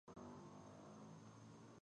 اس پرېووت